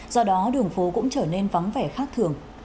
do đó đường phố cũng trở nên vắng vẻ khác thường